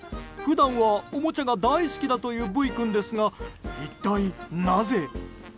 普段は、おもちゃが大好きだというＶ君ですが一体なぜ？